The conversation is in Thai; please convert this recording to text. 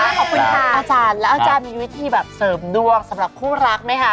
ขอบคุณค่ะอาจารย์แล้วอาจารย์มีวิธีแบบเสริมดวงสำหรับคู่รักไหมคะ